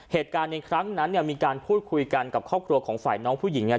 เหตุการณ์ในครั้งนั้นเนี่ยมีการพูดคุยกันกับครอบครัวของฝ่ายน้องผู้หญิงเนี่ย